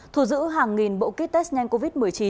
thu giữ hàng nghìn bộ kit test nhanh covid một mươi chín